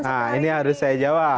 nah ini harus saya jawab